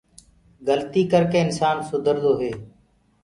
گلتي ڪر ڪي انسآن سُڌردو هي۔